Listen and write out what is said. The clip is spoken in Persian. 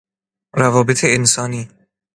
روابط انسانی